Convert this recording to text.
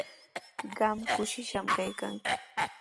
Qam kushishqami kaykanki.